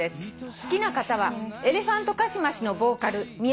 「好きな方はエレファントカシマシのボーカル宮本さんです」